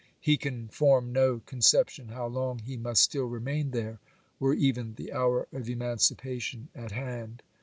He can form no conception how long he must still remain there, were even the hour of emancipation at hand